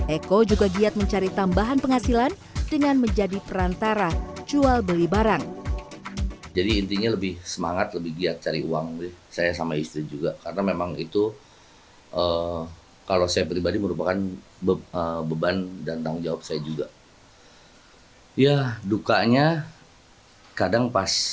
eko juga giat mencari tambahan penghasilan dengan menjadi perantara jual beli barang